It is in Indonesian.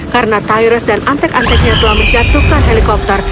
karena tyrus dan antek anteknya telah menjatuhkan helikopter